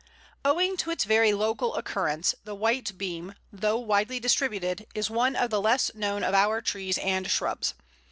Owing to its very local occurrence, the White Beam, though widely distributed, is one of the less known of our trees and shrubs.